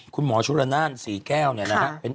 คุณหมอชุระนานศรีแก้วเนี่ยนะฮะ